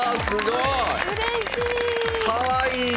すごい！